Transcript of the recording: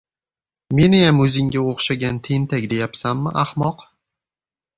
— Meniyam o‘zingga o‘xshagan tentak deyapsanmi, ahmoq!